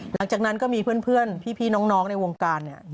หลังจากนั้นก็มีเพื่อนพี่น้องในวงการเนี่ย